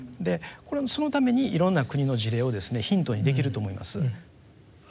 そのためにいろんな国の事例をですねヒントにできると思います。